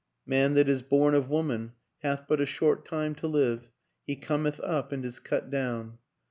" Man that is born of woman hath but a short time to live. ... He cometh up and is cut down.